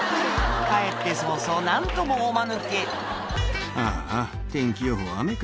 帰って早々何ともおマヌケ「ああ天気予報雨かよ」